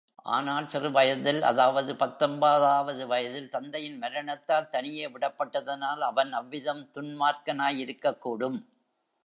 ஆனால் சிறுவயதில், அதாவது பத்தொன்பது ஆவது வயதில், தந்தையின் மரணத்தால் தனியே விடப்பட்டதனால் அவன் அவ்விதம் துன்மார்க்கனாயிருக்கக்கூடும்.